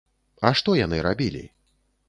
А што яны рабілі?